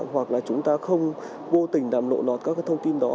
hoặc là chúng ta không vô tình đàm lộn lọt các thông tin đó